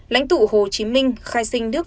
lãnh tụ hồ chí minh khai sinh nước